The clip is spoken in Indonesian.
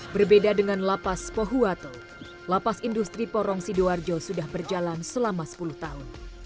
berbeda dengan lapas pohuwato lapas industri porong sidoarjo sudah berjalan selama sepuluh tahun